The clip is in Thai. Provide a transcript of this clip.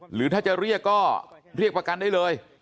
หรือถ้าจะเรียกก็เรียกประกันได้เลย